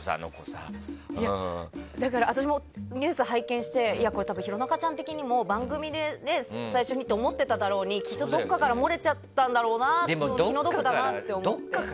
だから私もニュースを拝見して多分、弘中チャン的にも番組で最初にと思っていただろうにきっとどこかから漏れちゃったんだろうな気の毒だなって。